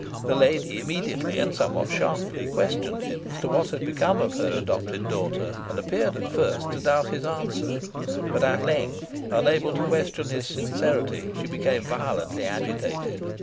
The lady immediately, and somewhat sharply, questioned him as to what had become of her adopted daughter, and appeared at first to doubt his answer; but at length, unable to question his sincerity, she became violently agitated.